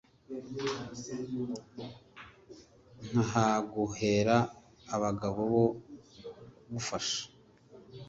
nkahaguhera abagabo bo kugufasha.